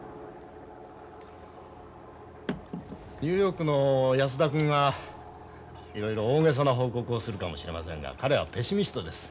ニューヨークの安田君がいろいろ大げさな報告をするかもしれませんが彼はペシミストです。